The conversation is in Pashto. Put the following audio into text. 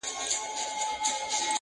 هغه چي ته یې د غیرت له افسانو ستړی سوې.!